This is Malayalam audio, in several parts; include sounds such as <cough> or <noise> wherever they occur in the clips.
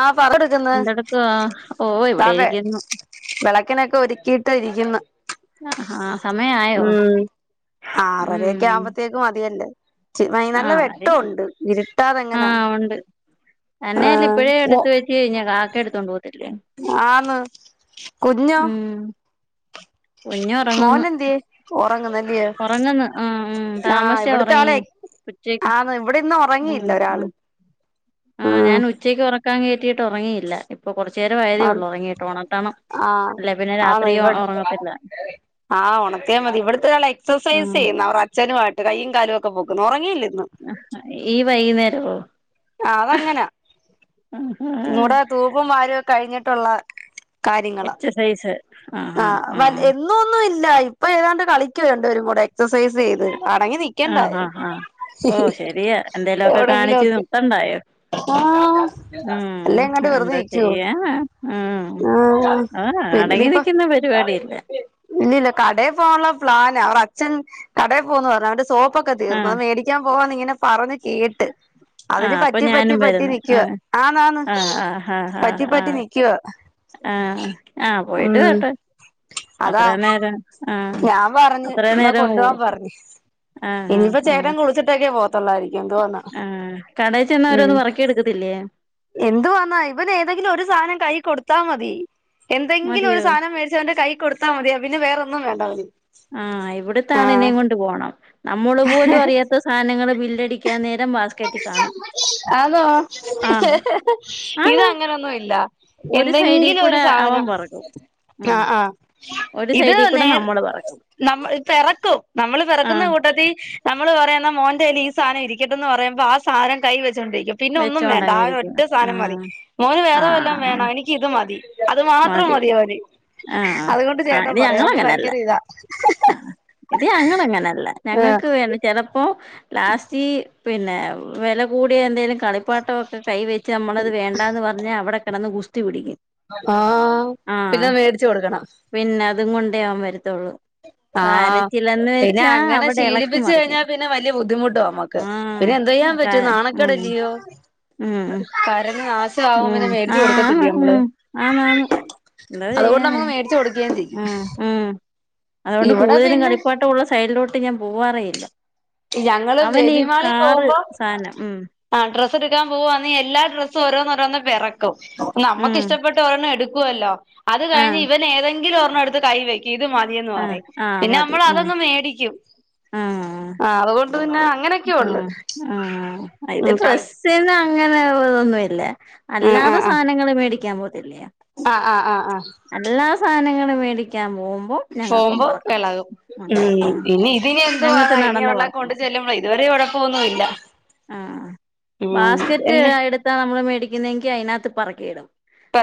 ആഹ് <unintelligible> എന്തെടുക്കുവാ ഓ ത ഇവിടെ വെ ഇരിക്കുന്നു വെളക്കിനൊക്കെ ഒതുക്കി ത്ത ഇരിക്കുന്ന് ഹഹാഹ് സമയ ആയോ ഉം ഉം ച്ച് ആ നല്ല മതി വെട്ടോണ്ട് ഇരുട്ടാതെങ്ങനാ അന്നെയല്ല ആഹ് ഇപ്പഴേ മോ എടുത്ത് വെച്ച് കഴിഞ്ഞ കാക്ക എടുത്തോണ്ട് പോവത്തില്ലേ ആന്ന് കുഞ്ഞോ ഊം കുഞ് ഒറങ്ങുന്ന് മോനെന്തിയേ ഒറങ്ങുന്നല്ലിയോ ഒറങ്ങുന്ന് ആഹ് ഉം ആഹ് താമസിച്ചാ ഇവിടുത്തെ ആളെ ഒറങ്ങിയേ ഉച്ചക്ക് ആന്ന് ഇവിടെ ഇന്ന് ഒറങ്ങിയില്ല ഉം ഒരാള് ആഹ് ആ ഉം ഞാൻ ഉച്ചക്കൊറക്ക ക്കാൻ കേറ്റിയിട്ട് ഒറങ്ങിയില്ല ഇപ്പൊ കൊറച്ചു ആഹ് നേരവായതേയൊള്ളു ഒറങ്ങീട്ട് ഒണർത്തണം ആഹ് അല്ല പിന്നെ ആന്ന് രാത്രി ഇവട് ഒറങ്ങത്തില്ല ആഹ് ഒണത്തിയാ മതി ഇവടുത്തെ ആള് എക്സർസൈസ് ഉം ചെയ്യുന്നു അവർ അച്ഛനുവായിട്ട് കൈ യും കാലൊക്കെ പോക്കണു ഒറങ്ങിയില്ലിന്ന് ഈ വൈകുന്നേരവോ അതങ്ങനാ ഇതുടെ തൂപ്പും കാര്യം കഴിഞ്ഞിട്ടുള്ള കാര്യങ്ങളാ ആ വ എന്നൊന്നും ഇല്ല ഇല്ല ഇപ്പൊ ഏതാണ്ട് കളിക്കവ രണ്ടുപേരും കൂടെ എക്സസൈസ് ചെയ്ത് അടങ്ങി നിക്കണ്ടായെ ഓഹ് ശരിയാ എന്തേലു ഒക്കെ കാണിച്ച് നിർത്തണ്ടായോ ആഹ് ഉം അല്ലാം ഇങ്ങാട്ട് വെറുതെ എന്താ ഇക്കുവോ ചെയ്യാ ഉം ആഹ് ആഹ് പിന്ന അടങ്ങി ഇപ്പ നിക്കുന്ന പരിപാടിയില്ല ഇല്ലല്ല കടയിൽ പോാനുള്ള പ്ലൻ അവ അച്ഛൻ കടയിൽ പോന്ന് പറഞ്ഞു അവന്റെ സോപ്പൊക്കെ തീർന്നു ആഹ് അത് മേടിക്കാൻ പോവാന്ന് ഇങ്ങനെ പറഞ്ഞഞ് കേട്ട് അതിന് ആഹ് അപ്പൊ പറ്റി പറ്റി ഞാനും പറ്റി വരുന്നു നക്കുവ ആഹ് ആ നന്ന് ആഹ് പറ്റിപ്പറ്റി നക്കുവ ആഹ ആഹ പോയിട്ട് കേട്ടെ അതാ ഞാൻ പറഞ്ഞഞ് അത്ര എന്നാ നേരം കൊണ്ട പോോവാൻ പോവും പറഞ്ു ആഹ് ഇനിയിപ്പോ ആഹ് ആഹ് ചേട്ടൻ കുളിച്ചിട്ടക്കെ പോത്തല്ലായിരിക്കും എന്ത്വാന്നാ ആഹ് കടയിൽ ചെന്ന് ഉം ഓരോന്ന് പെറുക്കി എടുക്കത്തില്ലേ എന് വന്നാ ഇവന് ഏതെങ്കിലും ഒരു സാധനം കൈ കൊടുത്താ മതി എന്തെങ്കിലും ഒരു മതിയോ സാധനം മേടച്ച് അവന്റെ കൈക്ക് കൊടുത്താ മതിയാോ പിന്നെ വേറെൊന്നും വേണ്ടാ മതി ആഹ ഇവിടത്താണ്െയും കൊണ്ട് പോണം നമ്മള് പോലും അറിയാത്ത സാധനങ്ങള്ൾ ബില്ലടിക്കാൻ നേരം മാാസ്കറ്റി കാണും അതോ ആഹ് ഇത് ആന്ന് അങ്ങനെൊന്നും ഇല്ല ഒരു സൈഡിൽ എന്തെങ്കിലും ഒരു കൂടെ അവൻ സാധനം പറക്കും ഉം ആ ആഹ ഒരു ഇത് സൈഡിൽ കൂടെ നേ നമ്മള് പറക്കും ന പിറക്കും നമ്മൾ പിറക്കുന്ന ആഹ് കൂട്ട ത്തി നമ്മള് പറയുന്ന മോണ്ടയിൽ ഈാധനം ഇരിക്കട്ട എന്ന് പറയുമ്പോൾ ആ സാധം കൈ വ വണ്ടിരിക്ക പിന്നെ ഒന്നും വേണ്ട ആ വെച്ചോണ്ടങ്ങിരിക്കും ഒറ്റ സാധനം മതി ആഹ് മോന് വേറെ എല്ലാം ആഹ് വേണം എനക്ക് ഇത് മതി അത് മാത്രം മതിയാ മതി ആഹ അതുകൊണ്ട് ആ് ചേട്ടൻ ഇത് പറയും ഞങ്ങള അതുകൊണ്ട് അങ്ങനെയല്ല ഭയങ്കര ഇതാ ആ ഇത് ഞങ്ങങ്ങനല്ല ഞങ്ങ ആഹ് നക്ക് ചിലപ്പ ലാസ്റ്റ് പിന്നെ വില കൂടിയ എന്തെങ്കലും കളിപ്പാട്ടംൊക്കെ കൈവെച്ച് നമ്മളത് വേണ്ട എന്ന് പറഞ്ഞാൽ അവിടെ കിടന്ന് കുസ്തി പിടിക്കും ആഹ ആഹ് പിന്നെ മേടിച്ചു കൊടുക്കണം പിന്നെ അതും കൊണ്ടേ ആൻ വരുത്തുള്ളൂ ആഹ പിന്നെ അങ്ങനെ അവിടെ എളക്കി ശീലിപ്പിച്ചു മറിക്കും കഴിഞ്ഞാൽ പിന്നെ വലിയ ബുദ്ധിമുട്ടും നമ്മക്ക് ആഹ് പിന്നെ എന്തതു ചെയ്യാൻ അതാ പറ്റൂ ഉം നാണക്കടല്ലയോ ഉം കരണം നാശ ഉം ആകുമന്ന മേടിച്ച ആഹ് ആണ് കൊടുക്കത്തില്ല ഉം നമ്മള് ആന്നാന്ന് എന്താ അതുകൊണ്ട് ചെയ്യാന നമുക്ക് മേടച്ച്ു കൊടുക്കുക ചെയരിക്കും ഉം ഉം അതുകൊണ്ട് കൂടുതലും കളിപ്പാട്ടമ ഉള്ള സൈഡിലോട്ട് ഞാൻ പോവാറേയില്ല ഞങ്ങള് അവന് ഈ വേബിമാളി കാറ് പോകുമ്പോ സാനം ഉം ആ ഡ്ര എടുക്കാൻ പോവുവാന്ന് എല്ലാ ഡ്രസ്സും ഓോ രോന്ന് പിറക്കും നമ്മുക്ക് ഉം ഇഷ്ടപ്പെട്ട ഓരോന്ന എടുക്കുവല്ലോ അത് ആഹ് കഴിഞ് ഇവ ഏതെങ്കിലും ഒരെണ്ണം എടുത്ത് കൈ വയ്ക്കും ചെയ്ത് മതിയന്ന് ആഹ് പറയും ആഹ് പിന്നെ മതി നമ്മൾ ആഹ് അതൊന്നങ് മേടിക്കും ആ് അതുകൊണ്ട് പിന്നെ അങ്ങനെയൊക്കെ ഉ ഉള്ളു ആ അത് ഉം കളി പ്രസ് അങ്ങനെതൊന്നുമല്ല ആ അല്ലാതെ ആ സാധനങ്ങൾ മേടിക്കാൻ പോത്തില്ല ആ ആ ആ ആ ആ അല്ലാ സാധനങ്ങള്ൾ മേടിക്കാൻ പോക്പ അ ഞങ്ങൾക്കും പോകുമ്പോ വളക്കണം എളകും ഉ ഉം ഉ ഇനി ഇതിനി ഞങ്ങൾക്ക് എന്തുവാന്നാ ഇനി നടന്ന് അവിടെ കൊണ്ട് വളക്കണം ചെല്ലുമ്പളെ ഇതുവരെ കുഴപ്പമൊന്നുമില്ല ആ ഉം ബാസ്കറ്റ് എന്ന് എടുത്താ നമ്മള് മേടിക്കുന്ന അതിനകത്ത് പറക്കിയിടും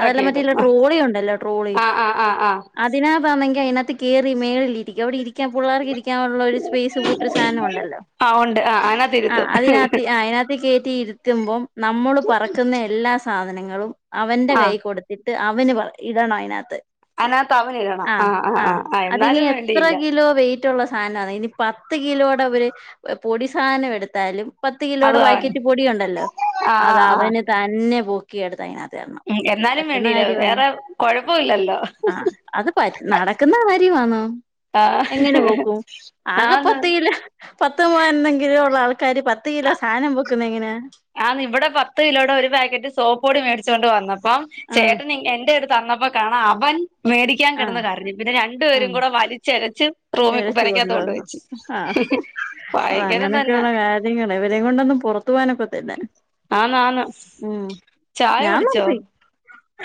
അതെല്ലാം മറ്റില്ല ട്രോളി ഉണ്ടല്ലോ ട്രോളി ആ ആ ആ ആ അതിനാ പറന്നെങ്കി അതിനകത്ത് കയറി മേളിൽിരിക്കും അവിടെ ഇരിക്കൻ പിള്ളേർക്ക് ഇരിക്കാനുള്ള ഒരു സ്പേസ് കൂട്ടൊരു സാധനംുണ്ടല്ലോ ആ ഉണ്ട് ആ അതിനകത്ത് ആ ഇരുത്തും അതിനകത്ത് ആ അതിനകത്ത് കയറ്റി ഇരുത്തുമ്പോം നമ്മള് പറക്കുന്ന എല്ലാ സാധനങ്ങളും അവന്റെ ആ കൈ കൊടുത്തിട്ട് അവന് ഇടാണ് അതിനകത്ത് അതിനകത്ത് അവൻ ഇടണം ആഹ ആ ആ ആ് ആ ആ അത്നി എന്നാലും എത്ര വേണ്ടിയില്ല കിലോ വെയിറ്റ് ഉള്ള സാധനണ് ഇനി പത്ത് പത്ത് കിലോടെ അവര് പൊടി സാധനം എടുത്താലും പത്ത് അത് കിലോയുടെ അവൻ പാക്കറ്റ് പൊടിയുണ്ടല്ലോ ആ ആ അത് ആ അവന് തന്നെ പൂക്കി എടുത്ത് അതിനകത്ത് ഉം എന്നാലും പറ്റുന്ന വേണ്ടിയില്ല കാര്യ വേറെ കൊഴപ്പമില്ലല്ലോ ആ അത് നടക്കുന്ന ക വന്നോ ആ എങ്ങനെ പോക്കും ആകെ ഞാന്ന് പൊത്തല്ല പത്ത് മവരന്തെങ്കിലോ ഉള്ള ആൾക്കാാര് പത്ത് കിലോ സാധനം പൊക്കുന്ന എങ്ങനെ ആഹ ഇവിടെ പത്ത് കിലോടെ ഒരു പാക്കറ്റ് സോപ്പോടി മേടിച്ചൊണ്ട് വന്നപ്പം ആഹ് ചേട്ടൻ എന്റെ അടുത്ത് തന്നപ്പോ കാണാം അവൻ മേടിക്കാൻ ആഹ് കിടുന്ന കാര് പിന്നെ രണ്ടുപേരും ആഹ് കൂടെ വലിച്ചരച്ച് റൂമ ഇഴച്ചു പരക്കാത്ത കൊണ്ട് കൊണ്ടുവന്നു വെച്ചു ആഹ് അത് ഭയങ്കരം തന്നെ ത്തുവാനപ്പത്തല്ല ആന്ന് ആന്ന് ഉം ചായ ഞാൻ കുടിച്ചോ നടത്തി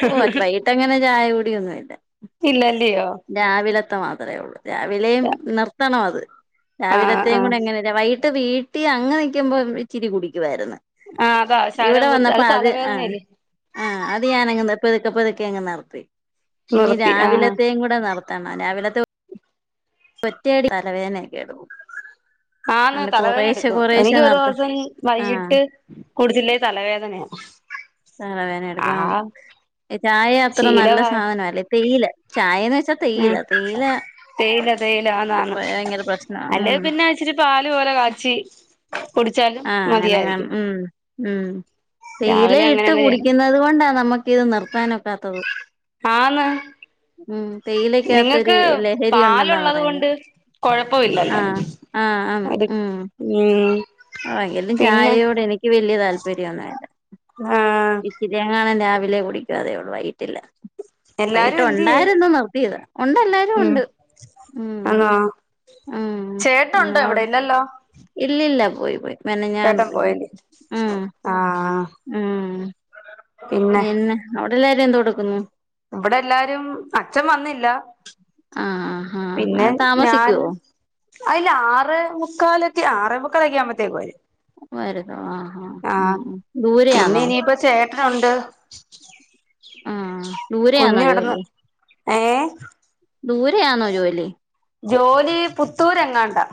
ഓ അത് വൈകിട്ട് അങ്ങനെ ചായ കൂടിയൊന്നും ഇല്ല ഇല്ലല്ലയോ മാത്രമേ ഉള്ളൂ രാവിലെയും നിർത്തണം അത് ആ രാവിലത്തെയും ആ കൂടെ എങ്ങനെ ഇട്ട് വീട്ടിൽ അങ്ങങ് നിൽക്കുമ്പോം ഇിരി കുടിക്കുമായിരുന്നു ആഹ് അതാ ശാലം ഇവിടെ കൊടുത്ത് വന്നപ്പോ അത് ആഹ തലവേദനയല്ലേ ആഹ അത് ഞാനങ്ങ പതുക്കെ പതുക്കെ അങ്ങ് നടത്തി ഇനി നിർത്തി ആഹ് രാവിലത്തെയും കൂടെ നടത്തണം രാവിലത്തെ പറ്റടി തലവേദനയ കേടു ആഹന്ന തലവേദന എടുക്കും എനിക്ക് ഒരു നിർത്ത ദിവസം ആഹ് വൈകിട്ട് കൊടുത്തിില്ലേ തലവേദനയാ <inaudible> തലവേദന ആഹ് എടുക്ക ചായ അത്ര നല്ല ശീലവാ സാധനല്ലേ തേയില ചായേന്ന് പച്ച ഉം തേയില തേയില തേയില തേയിലന്നാണ് ഭയങ്കര പ്രശ്നാ അല്ല ഉം പിന്നെ ഇച്ചിരി പാല് പോലെ കാച്ചി കുടിച്ചാലും ആഹ അങ്ങനെ കാ മതിയായിരിക്കും ഉം ഉം തേയില രാവിലെ അങ്ങനെ ഇട്ട് അങ്ങ് ചെയ്യണം കുടിക്കുന്നത് കൊണ്ടാ നമ്മുക്ക് ഇത് നിർത്താനൊക്കാത്തത് ആഹന്ന തേയിലക്കാത്തൊരു ലഹരി ഉണ്ടെന്നാ പാലുള്ളത് കൊണ്ട് പറയുന്നത് കൊഴപ്പവില്ലല്ലോ ആഹ ആഹ് ആ അത് ഉം ഉം ആ എയങ്കലും പിന്നെ ചായയോടെ എനിക്ക് വല്ിയ താല്പര്യം ഒന്നുംല്ല ആഹ് ഇച്ചിരി കാൻ രാവിലെ കുടിക്കും അതേോള്ളൂ വൈകട്ടില്ല എല്ലാരും വൈകട്ട് എന്തിയേ ഉണ്ടായിരരുന്നുോ നോക്കത് ഉണ്ട് എല്ലാരും ഉണ്ട് ഉ ചേട്ടുണ്ടോ എവിടെ ഇല്ലല്ലോ ഇല്ലല്ല ചേട്ടൻ പോയല്േ ഉം ആഹ എന്നന്നെ അവിടെല്ലാരും എന്ത്തു കൊടക്കുന്നു ഇവിടെ എല്ലാരും അച്ഛൻ വന്നില്ല ആഹ ആ പിന്നെ ഞാൻ അയില്ല ആറ മുുക്കാലൊക്കെ ആറേ മുക്കാലൊക്കെ ആവുമ്പോത്തേക്കും വര് വരുതോ ആ ആ ഉ ദൂരെയാണോ എണ്ട് ആഹ ദൂര ആന്നോ ജോലല ഏ ദൂരെയാണോ ജോലി ജോലി പുത്തൂര് എങ്ങാണ്ടാ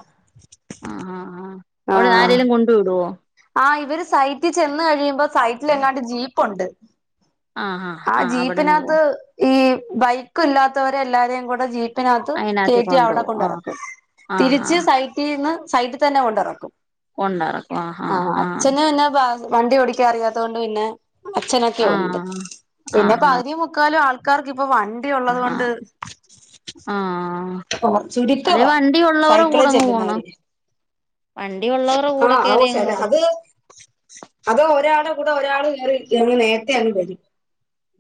ആഹ ആഹ ആ അവിടെ ആരെങ്കലും കൊണ്ട വിടുവോ ആഹ് ഇവര് സൈറ്റിൽ ചെന്ന് കഴിയുമ്പോ സൈറ്റിൽ എങ്ങാട്ട് ജീപ്പുണ്ട് ആഹ് ആഹ് ആ ആഹ് അവിടെന്ന് ജീപ്പിനകത്ത് പോവും ഈ ബൈക്ക ഇല്ലാത്തവരെ എല്ലാരേും കൂടെ ജീപ്പ് പിനകത്ത് അയിനാത്തി കയറ്റി അവിടെ കൊണ്ടുപോവും ആഹ് കൊണ്ടറക്കും ആഹ് തിരിച്ച് ആഹ് സൈറ്റിൽന്ന് സൈറ്റിൽ തന്നെ കൊണ്ടറക്കും കൊണ്ടിറക്കും ആഹ് ആഹ ആഹ് അച്ഛന പിന്നെ വണ്ടി ഓടിക്കാ അറിയാത്ത കൊൊണ്ട് പിന്നെ അച്ഛനൊക്കെ ഉണ്ട് ആഹ് പിന്നെപ്പ ആഹ് ആഹ് അകതിന മുക്കാലും ആൾക്കാർക്ക് ഇപ്പൊ വണ്ടിള്ളത് ആഹ് കൊണ്ട് ആഹ് ഓ അല്ലെ ചുരുക്കവാ വണ്ടി ഉള്ളവറെ സൈക്കിളിൽ കൂടങ്ങ് പോണം ചെല്ലുന്നവര് വണ്ടി ഉള്ളവറെ ആ കൂടെ കേറി ഓ അങ്ങ് ശര പോണം അത് അത് ഒരാള് കൂടെ ഒരാൾ കേരിരിക്കുവാണെകി നേരത്തെ ആഗ് വരും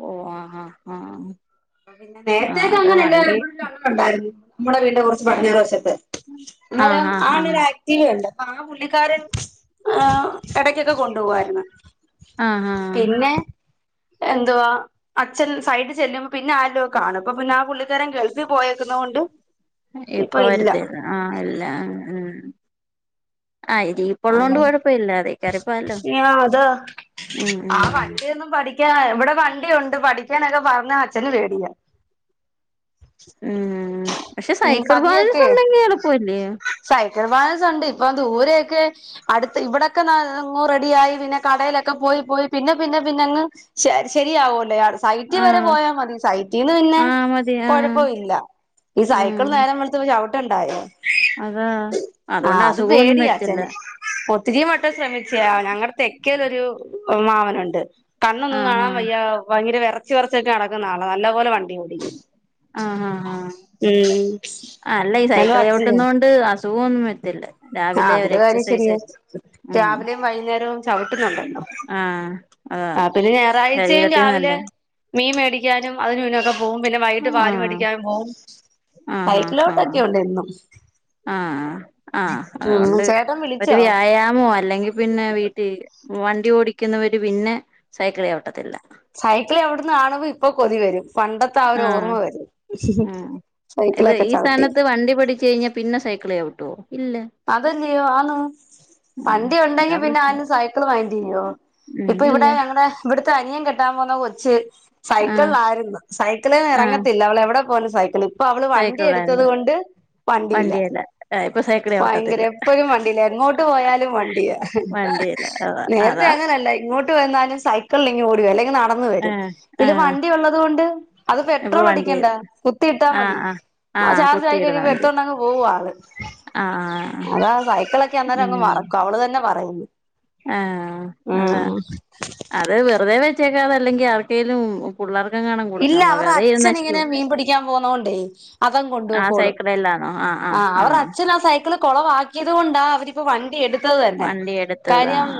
ഓ ആ ആ ആ പിന്നെ നേരത്തേക്കെ അങ്ങനെ ഉ എ ആ ഉണ്ടായിരുന്നു നമ്മുടെ വീടി കുറച്ച് പടിഞ്ഞേറ് വശം അന്നേരം ആഹ് ആഹ് അവന് ആഹ് ഒരു ആക്റ്റീവ ഉണ്ട് പുള്ളിക്കാരൻ ആ ഇടക്കൊക്കെ കൊണ്ടുപോവായിരുന്നു ആ ആ പിന്നെ എന്തുവാ അച്ഛൻ സൈറ്റിൽ ചെല്ലുമ്പോൾ പിന്നെ അരകിലുമൊക്ക്കാനും പിന്നെ ആ പുള്ളിക്കാരൻ ഗൾ ഇത് പോയേകുനകൊണ്ട് ഇപ്പോവാരത്തില്ല ആ ഇല്ല മം ആ ഇരി ഇപ്പൊ ഉള്ളതെക്കോട് കുഴപ്പമില്ല അതി കേറിപ്പോവല്ലോ അത് ആ വണ്ടി ഒന്ന് പാടി യെ ഇവിടെ വണ്ടിയുണ്ട് പഠിക്കാനൊക്ക പറഞ്ഞ അച്ഛന് പേടിയാ ഉം പക്ഷെ ഉം സൈക്കിൾ ബാലൻസ് പതിയൊക്കെ ഉണ്ടാക്കി ആളുപ്പമെല്ലെ സൈക്കിൾ ബാലൻസ് ഉണ്ട് ഇപ്പം ദൂരെയൊക്കെ അടുത്ത് ഇവിടൊക്കെ നങ് റെഡിയായി പിന്നെ കടയിലൊക്കെ പോയിപോയി പിന്നെ പനി പിന്നെ അങ്ങ് ശെ ശെരിയാവൂല്ലേ സൈറ്റിൽ വരെ ആഹ് പോയാൽ മതി സൈയ്റ്റിന് പിന്നെ ആഹ് മതി ആഹ് കുഴപ്പ ഇല്ല ഈ സൈക്കിൾ ഉം നേരം വെളുതപ്പൊ ചവുട്ടണ്ടായോ അതാ അതുകൊണ്ട് അസുഖമൊന്നും വരത്തില്ല. ഒത്തിരിമടു ശ്രമിച്ചയാ ഞങ്ങളുടെ തെക്കയിൽ ഒരു അമ്മാവനുണ്ട്. കണ്ണ് ഒന്നും ആഹ് കാണാൻ ആഹ് വയ്യ ഭയങ്കര വെറ കുറച്ച് കുറച്ചൊക്കെ കുടിച്ച് വിരച്ചെക്കെ നടക്കുന്ന ആള്ളാ നല്ലപോലെ വണ്ടിയോടിക്കും ആ ആ ആഹ് അല്ല ഈ എന്നാലും സൈക്കിള് ചവുട്ട്ന്നോണ്ട് അസു സോ ഒന്നും വരത്തില്ല. ആ രാവിലെ ഒരു അതൊരുകാര്യം എക്സസൈസ് ശെരിയായി ഉം രാവിലെയും വൈകുന്നേരവും ചവുട്ടുന്നുണ്ടാലോ ആഹ് അതാ ആ പിന്നെ ഞായറാഴ്ചയും ശരീരത്തിന് രാവിലെ നല്ലയാ മീൻ മേടിക്കാനും അതിനുപിന്നെയൊക്കെ പോവും പിന്നെ വൈകിട്ട് ആഹ് പാൽമേടിക്കാൻ പോവും സൈക്കിളിച്ചസിവിട്ടൊക്കെ ഉണ്ട് എന്നും ആ ആ ആ ഉം അതുകൊണ്ട് ചേട്ടൻ ഒരു വിളിച്ചോ വ്യയമാവോ അല്ലെകിൽ പിന്നെ വീട്ടിൽ വണ്ടി ഓടിക്കുന്നവര് പിന്നെ സൈക്കിൾ ചവിട്ടത്തില്ല സൈക്കിൾ ചവുട്ടുന്ന കാണുമ്പോ ഇപ്പൊ കൊതിവരും പണ്ടത്തെ ആയൊരു ആഹ് ഓർമ്മ വരും ഉം ഇത് സൈക്കിളൊക്കെ ഈ ചവിട്ടി സ്ഥാനത്ത് വണ്ടി പടിച്ചുകഴിഞ്ഞാൽ പിന്നെ സൈക്കിൾചവുട്ടുവോ അതല്ലേയോ ആണ് ആഹ് പണ്ടി ഉണ്ടെങ്കി അതാ പിന്നെ പ്രശ്നം ആരും സൈക്കിൾ വഗിക്കില്ലയോ ഉം ഇപ്പൊ ഇല്ല ഇവിടെ ഞങ്ങളടെ ഇവിടുത്തെ അനിയൻ കെട്ട ആരും അനിയൻ കെട്ടാൻ പോവുന്ന കൊച്ച് ആഹ് സൈക്കിളിലാര് ന്ന് സൈക്കിളേന്ന് ആഹ് എറങ്ങത്തില്ല അവള് എവിടെ പോലും സൈക്കിളിൽ അപ്പൊ അവള് വണ്ടി സൈക്കിളായിരുന്നു എടുത്തകൊണ്ട് വണ്ടിയില്ല വണ്ടിയല്ല ഇപ്പൊ സൈക്കിള് ഭയങ്കര ചവിട്ടത്തില്ല എപ്പോഴും വണ്ടീല്ലാ എങ്ങോട്ട് പോയാലും വണ്ടിയാ വണ്ടിയില്ല അതാ നേരത്തെ അതാ അങ്ങനല്ല ഇങ്ങോട്ട് വന്നാലും സൈക്കിളിൽ ഇങ്ങ് ഓടുവല്ലെ ഏ നടന്നുവരും ആ പിന്നെ വണ്ടി ഉള്ളതുകൊണ്ട് അത് ഇപ്പൊ പെട്രോള വണ്ടി അടിക്കണ്ട കുത്തി ആ ഇട്ടാമതി ആ ആ ചാർജായി കുത്തിയിടുന്ന കഴിയുമ്പോ വണ്ടി എടുത്തോണ്ടങ് പോവ ആള് ആ ആ അതാ സൈക്കിളക്കെ അന്നേരം അങ്ങ് മറക്കും അവള് തന്നെ പറയുന്നു ആഹ് അതാ ഉം അത് വെറുതെ വെ <unintelligible> അല്ലെങ്ക ആർക്കെലും പുള്ളർ ഇല്ല അവരുടെ അച്ഛൻ ഇങ്ങനെ മീൻ പിടിക്കാൻ പോന്നോണ്ടേ അവൻ കൊടുപോക്കോളും. ആ അവർ അച്ഛൻ ആ സൈക്കിള് കൊളവക്കിയത് കൊണ്ടാ അവരിപ്പ വണ്ടി എട് <unintelligible> തന്നെ വണ്ടി എടുത്തത് ആ കാര്യംഎ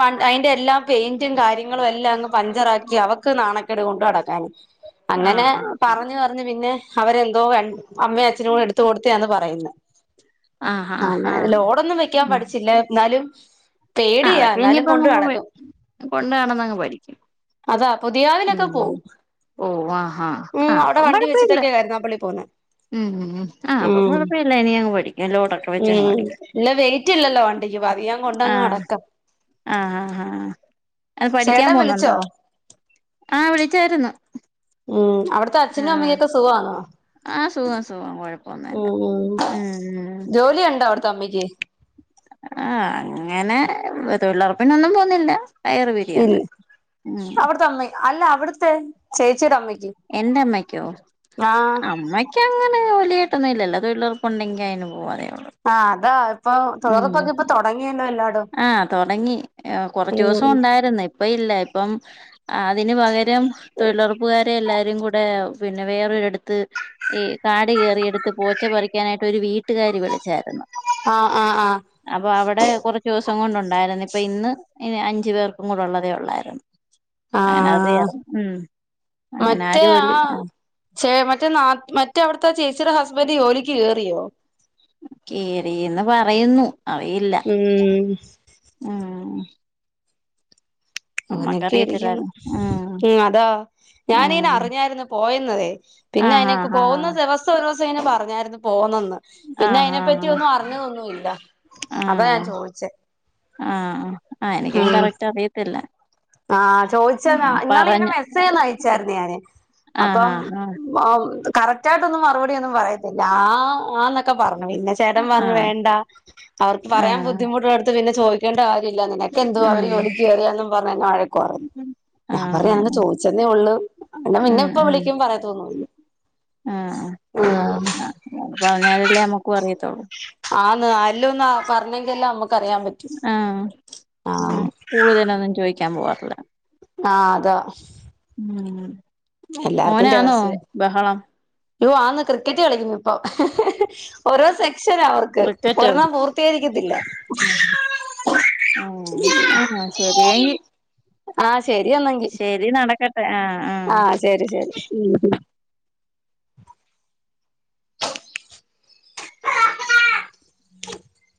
വ അയിന്റെ എല്ലാം പെയിന്റും കാര്യങ്ങളും എല്ലാം അങ്ങ് പഞ്ചറക്കി അവക്ക് നാണക്കേട് കൊണ്ട് നടക്കാന് ആ ആ അങ്ങനെ ആ പറഞ്ഞു പറഞ്ഞു പിന്നെ അവരെന്തോ അമ്മ അച്ഛനോട് എടുത്ത കൊടുത്തന്ന് പറയുന്നു ആ ലോഡൊന്നും വെക്കാൻ പഠിച്ചില്ല എന്നാലും ആ പേടിയാ അതൊക്കെ എന്നാലും ഇനിയിപ്പോ അങ്ങ കൊണ്ട് നടക്കും കൊണ്ട വണംന്ന്ങ്ങ് പഠിക്കും അതാ പുതിയാാവിലൊക്കെ ഉം പോവും ഓ ആഹ് ആഹ് ഉം ആഹ് അവിടെ അപ്പം വണ്ടി കൊഴപ്പമില്ല വെച്ചിട്ടൊക്കെയായിയിരുന്നു പള്ളി പോന്ന് ഉം ഉം ആഹ് ഉ അപ്പം കൊഴപ്പമില്ല ഇനി അങ്ങ് പഠിക്കും ലോഡൊക്കെ ഉ വെച്ചങ്ങ് പഠിക്കും ഇന്ന വെയിറ്റ്ല്ലല്ലോ വണ്ട ഈ പതിയാം കൊണ്ട അങ്ടക്ക ആഹ ആ ആ അത് പഠിക്കാൻ ചേട്ടൻ വിളിച്ചോ പോവുന്നുണ്ടോ ആ വിളിച്ചായിരുന്നു ഉം അവിടത്തെ അച്ഛനും അമ്മൊക്കെ സുഖമാണോ ആഹ സുഖ സുഖ കുഴപ്പ ഉ ജോലി ഉണ്ടോ അവിടത്തമ്മക്ക് ആ അങ്ങനെ തൊഴിലുറപ്പിനൊന്നും പോവുന്നില്ല ഇല്ല അവിടുത്തെ അമ്മ അല്ല അവിടുത്തെ ചേച്ചിയുടെ അമ്മയ്ക്ക് എന്റെമ്മക്കോ ആഹ് അമ്മക്ക അങ്ങനെ ജോലിയ ഇല്ലല്ലോ തൊഴിലുർപ്പുണ്ടെങ്കിൽ അയ്ന് പോക ആഹ് അതാ ഇപ്പൊ തൊഴിലുറപ്പൊക്കെ ഇപ്പൊ തുടങ്ങിയല്ലോല്ലോ ആഹ തുടങ്ങി കുറച്ച ദിവസം ഉണ്ടായിരുന്നു ഇപ്പ ഇല്ല. ഇപ്പം അതിന് പകരം തൊഴിലുറപ്പുകാരെ എല്ലാരും കൂടെ പിന്നെ വേറൊരിടത്ത് ഇ കാട് കയറിയടുത്ത് പോച്ച പറിക്കാനായിട്ട് ഒരു വീട്ടുകാർ വിളിച്ചു ചായിരുന്നു ആഹ് ആഹ് ആഹ് അപ്പൊ അവിടെ കൊറ സം കൊണ്ട ഉണ്ടായിരുന്നു ഇപ്പൊ ഇന്ന് ഇ അഞ്ചു പേർക്കും കൂടെള്ളതേ ഉള്ളായിരുന്നു അങ്ങനെ ആഹ് അതയിരുന്നു ഉം അങ്ങനെ മറ്റേ ആ ജോലി ചെ മറ്റേ ന മറ്റേവിട ത്ത ചേച്ചിയുടെ ഹസ്ബൻഡ ജോലിക്ക് കയറിയോ കേറിന്ന് പറയുന്നു ഉം ആ നൊക്കെ ഇരിക്കുന്നു ഉം ഉമ് അതാ ഞാന ഇനെ ഉം അറിഞ്ഞായിരുന്നു പോയന്നതെ പിന്നെ ആഹ് അനിക്ക് ആഹ് പോകുന്ന ആഹ് ദിവസം ഒരു ദിവസം ഇനെ പറഞ്ഞായിരുന്നു പോന്നന്ന് പിന്നെ ആഹ് അതിനെ പറ്റി ആഹ് ഒന്നും അറിഞ്ഞതൊന്നുമല്ല. അതാ ഞാൻ ചോദിച്ചേ ആഹ ആ് എനിക്കും ഉം കറക്റ്റ് അറിയത്തില്ല ആഹ് ചോദിച്ച ഉം ഇന്നാ ഇനെ പറഞ്ഞ് മെസ്സേജ്ന്ന് അയച്ചായിരുന്നു ഞാന് ആഹ് അപ്പം ആഹ് കറക്റ്റ് ആയിട്ടൊന്നും മറുപടിന്നും പറയത്തില്ല ആ ആന്നൊക്കെ പറഞ്ഞു പിന്നെ ചേട്ടൻ പറഞ്ഞഞ് ആഹ് വേണ്ട അവർക്ക് പറയാൻ ആഹ് ബുദ്ധിമുട്ടുള്ള എടുത്ത് പിന്നെ ചോദിക്കേണ്ട ല്ല നിനക്കെ എന്തോ അവര് ഉം ഒലി കയറിയാലും പ എന്നെ വഴക്ക് ഞാൻ പറഞ്ഞു അങ്ങനെ ആഹ് ചോദിച്ചെന്നേ ഉള്ളു എന്നന്നെ ഇപ്പ വിളിക്ക പറയാതൊ ആഹ ആഹ് ആ പറഞ്ഞാലല്ലേ നമ്മുക്ക അറി യത്തോള്ളൂ ആന് ആ ല്ല പറഞ്ഞെങ്കല്ല നമ്മുക്ക് അറിയാൻ പറ്റും ആഹ് ആ ഉം കൂടുതലൊന്നും <unintelligible> ആഹ അതാ ഉം ഓനാന്നോ ബഹളം അ്യ ആന്ന് ക്രിക്കറ്റ് കളിക്കുന്നു ഇപ്പൊ ഓരോ സെ ക്ഷ അവർക്ക് ക്രിക്കറ്റ് ഒരെണ്ണം പൂർത്തിയായിരിക്കത്തില്ല ആ ആഹ ശരിയെങ്കി ആഹ ശെരിയന്നെങ്കി ശരി നടക്കട്ടെ ആഹ് ആഹ് ആഹ ശരി ശരി ഉം